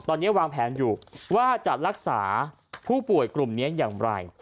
ตอนนี้วางแผนอยู่ว่าจะรักษาผู้ป่วยกลุ่มนี้อย่างไร